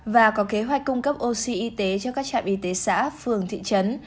và có kế hoạch cung cấp oxy y tế cho các trạm y tế xã phường thị trấn